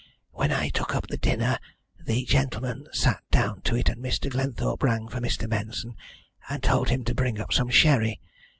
When I took up the dinner the gentlemen sat down to it, and Mr. Glenthorpe rang for Mr. Benson, and told him to bring up some sherry.